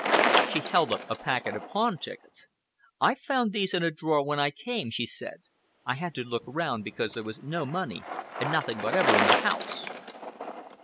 She held up a packet of pawn tickets. "I found these in a drawer when I came," she said. "I had to look round, because there was no money and nothing whatever in the house."